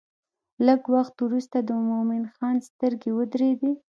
لږ وخت وروسته د مومن خان سترګې ودرېدې.